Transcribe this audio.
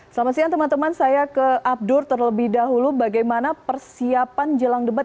selamat siang teman teman saya ke abdur terlebih dahulu bagaimana persiapan jelang debat